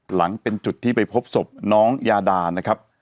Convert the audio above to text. หลังเป็นจุดที่ไปพบศพน้องยาดานะครับ